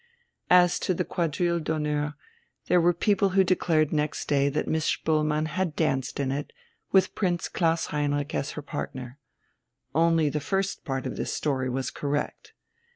As to the Quadrille d'honneur, there were people who declared next day that Miss Spoelmann had danced in it, with Prince Klaus Heinrich as her partner. Only the first part of this story was correct.